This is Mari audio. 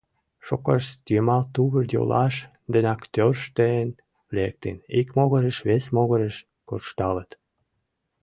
Шукышт йымал тувыр-йолаш денак тӧрштен лектын, ик могырыш, вес могырыш куржталыт.